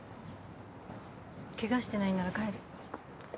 ケガしてないんなら帰る。